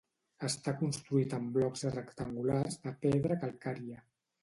Està construït amb blocs rectangulars de pedra calcària.